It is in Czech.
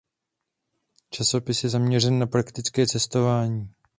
Časopis je zaměřen na praktické cestování.